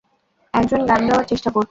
একজন গান গাওয়ার চেষ্টা করছে।